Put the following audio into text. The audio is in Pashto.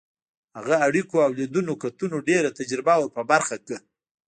د هغه اړیکو او لیدنو کتنو ډېره تجربه ور په برخه کړه.